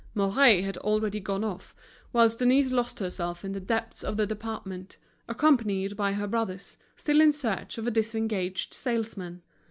Mouret had already gone off, whilst Denise lost herself in the depths of the department, accompanied by her brothers, still in search of a disengaged salesman.